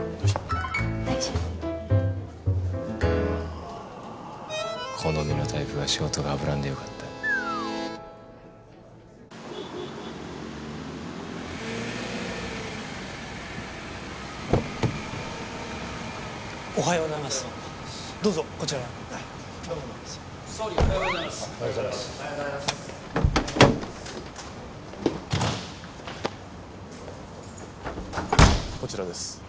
総理おはようございます。